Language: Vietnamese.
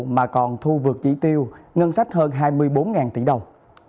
mà còn thu vượt chỉ tiêu ngân sách hơn hai mươi bốn tỷ đồng